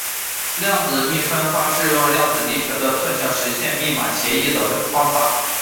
量子密钥分发是利用量子力学特性实现密码协议的方法。